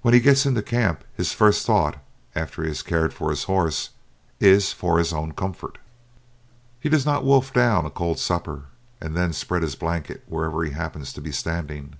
When he gets into camp his first thought, after he has cared for his horse, is for his own comfort. He does not wolf down a cold supper and then spread his blanket wherever he happens to be standing.